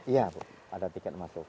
iya bu ada tiket masuk